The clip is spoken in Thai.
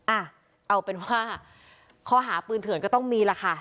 อ้าวเอาเป็นว่าเขาหาปืนถือนก็ต้องมีแล้วค่ะ